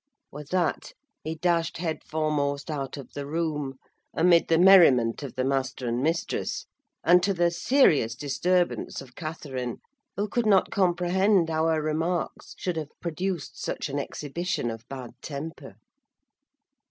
With that he dashed headforemost out of the room, amid the merriment of the master and mistress, and to the serious disturbance of Catherine; who could not comprehend how her remarks should have produced such an exhibition of bad temper.